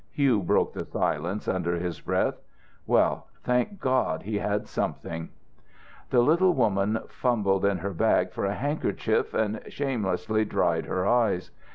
Hugh broke the silence under his breath. "Well, thank God he had something!" The little woman fumbled in her bag for a handkerchief and shamelessly dried her eyes.